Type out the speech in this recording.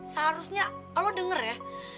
seharusnya lo denger ya